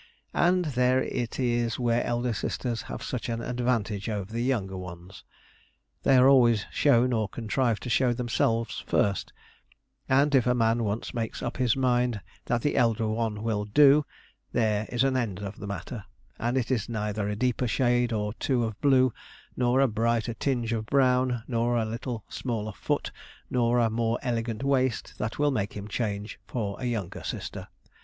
And there it is where elder sisters have such an advantage over younger ones. They are always shown, or contrive to show themselves, first; and if a man once makes up his mind that the elder one will do, there is an end of the matter; and it is neither a deeper shade or two of blue, nor a brighter tinge of brown, nor a little smaller foot, nor a more elegant waist, that will make him change for a younger sister.